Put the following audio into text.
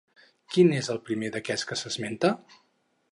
Quin és el primer d'aquests que s'esmenta?